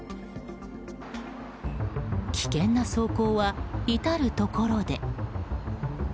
危険な走行は至るところで。